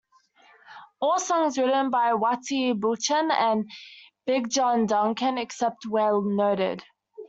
All songs written by Wattie Buchan and Big John Duncan, except where noted.